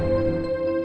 saya mau ke hotel ini